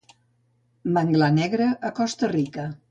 Manglar negre a Costa Rica